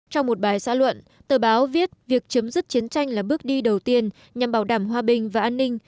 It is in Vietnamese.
trong một bài xã luận tờ báo viết việc chấm dứt chiến tranh là bước đi đầu tiên nhằm bảo đảm hòa bình và an ninh